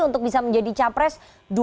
untuk bisa menjadi capres